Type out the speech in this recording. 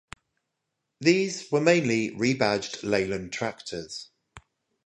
These were mainly rebadged Leyland tractors.